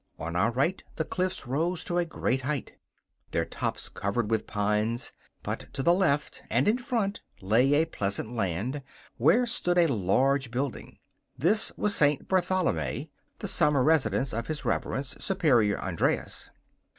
On our right the cliffs rose to a great height, their tops covered with pines, but to the left and in front lay a pleasant land, where stood a large building. This was Saint Bartholomæ, the summer residence of his Reverence, Superior Andreas.